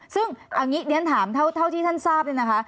ซึ่งอันนี้เนี่ยน้อยถามเท่าที่ท่านทราบด้วยนะคะ